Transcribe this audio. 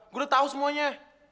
gue udah tau semuanya